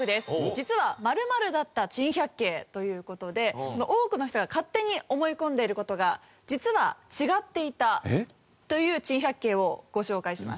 実は○○だった珍百景！！という事で多くの人が勝手に思い込んでいる事が実は違っていたという珍百景をご紹介します。